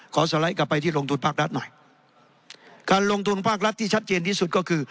สไลด์กลับไปที่ลงทุนภาครัฐหน่อยการลงทุนภาครัฐที่ชัดเจนที่สุดก็คือ